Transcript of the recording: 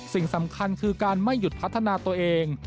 สิ่งสำคัญคือการไม่หยุดพัฒนาตัวเอง